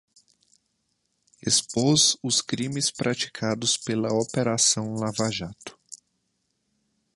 Expôs os crimes praticados pela operação Lava Jato